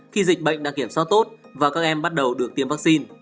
khi dịch bệnh đang kiểm soát tốt và các em bắt đầu được tiêm vaccine